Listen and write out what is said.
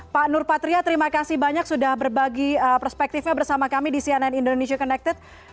pak nur patria terima kasih banyak sudah berbagi perspektifnya bersama kami di cnn indonesia connected